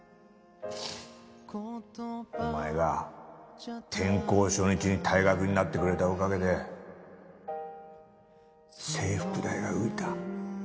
お前が転校初日に退学になってくれたおかげで制服代が浮いた。